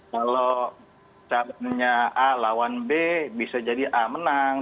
kalau calonnya a lawan b bisa jadi a menang